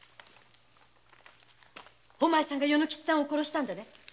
お前さんが与之吉さんを殺したんだね。